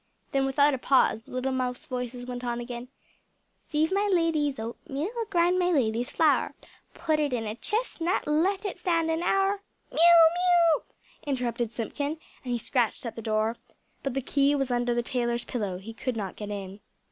Then without a pause the little mouse voices went on again "Sieve my lady's oatmeal, Grind my lady's flour, Put it in a chestnut, Let it stand an hour " "Mew! Mew!" interrupted Simpkin, and he scratched at the door. But the key was under the tailor's pillow, he could not get in.